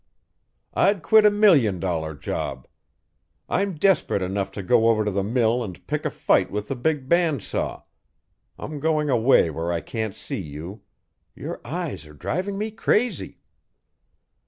"I'd quit a million dollar job. I'm desperate enough to go over to the mill and pick a fight with the big bandsaw. I'm going away where I can't see you. Your eyes are driving me crazy."